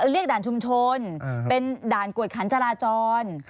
เรียกด่านชุมชนเป็นด่านกรวดขันธรราจร